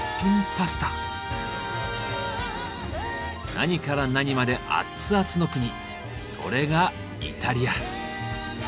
何から何までアッツアツの国それがイタリア！